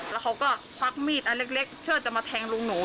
แล้วเขาก็ควักมีดอันเล็กเพื่อจะมาแทงลุงหนู